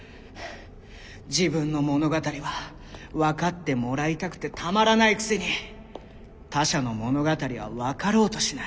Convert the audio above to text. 自分の物語は分かってもらいたくてたまらないくせに他者の物語は分かろうとしない。